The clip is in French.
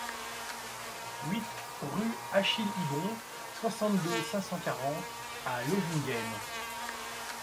huit rue Achille Hibon, soixante-deux, cinq cent quarante à Lozinghem